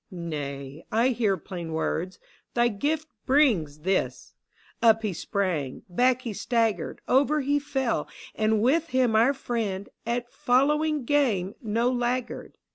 Nay, I hear plain words :" Thy gift brings this !" Up he sprang, back he staggered, Over he fell, and with him our friend — At following game no laggard.